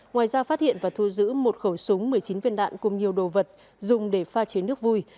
ngoài ra phát hiện và thu giữ một khẩu súng một mươi chín viên đạn cùng nhiều đồ vật dùng để pha chế nước vui